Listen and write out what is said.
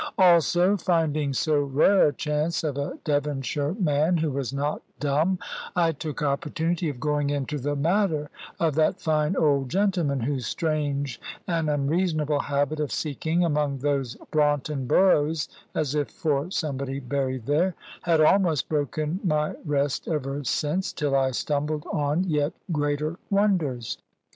Also finding so rare a chance of a Devonshire man who was not dumb, I took opportunity of going into the matter of that fine old gentleman, whose strange and unreasonable habit of seeking among those Braunton Burrows (as if for somebody buried there) had almost broken my rest ever since, till I stumbled on yet greater wonders.